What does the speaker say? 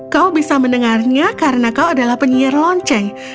kau bisa mendengarnya karena kau adalah penyiar lonceng